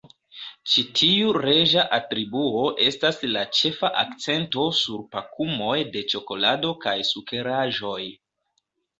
Ĉi tiu reĝa atributo estas la ĉefa akcento sur pakumoj de ĉokolado kaj sukeraĵoj.